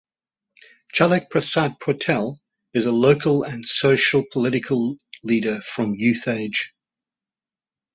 Jhalak Prasad Paudel is local Social and Political leader from youth age.